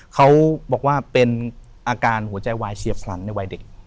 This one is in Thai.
เขาบอกว่าเป็นอาการหัวใจวายเฉียบพลันในวัยเด็ก